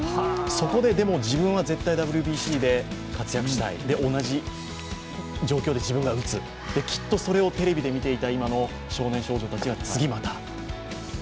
そこで自分は絶対ＷＢＣで活躍したい自分が打つ、きっとそれを今テレビで見ていた今の少年少女たちが次また。